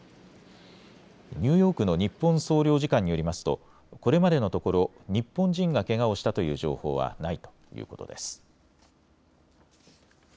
ニューヨークの日本総領事館によりますとこれまでのところ日本人がけがをしたという情報はないということです。